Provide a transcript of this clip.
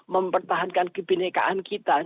mempertahankan kebenekaan kita